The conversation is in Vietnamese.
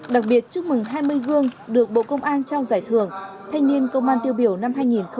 đặc biệt chúc mừng hai mươi gương được bộ công an trao giải thưởng thanh niên công an tiêu biểu năm hai nghìn hai mươi ba